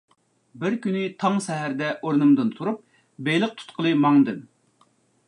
بىر كۈنى تاڭ سەھەردە ئورنۇمدىن تۇرۇپ بېلىق تۇتقىلى ماڭدىم.